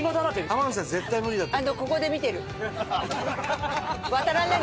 天海さん絶対無理だと思う。